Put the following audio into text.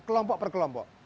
kelompok per kelompok